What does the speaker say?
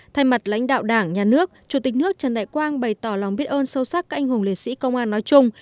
thay mặt lãnh đạo đảng nhà nước chủ tịch nước trần đại quang bày tỏ lòng biết ơn sâu sắc các anh hùng liệt sĩ công an nói chung